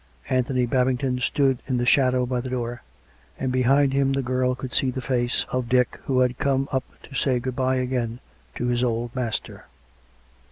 Anthony Babing ton stood in the shadow by the door, and, beyond him, the girl could see the face of Dick, who had come up to say good bye again to his old master.